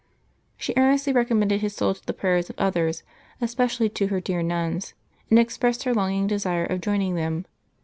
She earnestly recom inended his soul to the prayers of others, especially to her dear nuns, and expressed her longing desire of joining them.